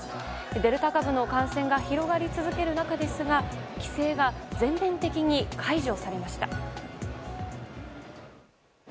デルタ株の感染が広がり続ける中ですが規制が全面的に解除されました。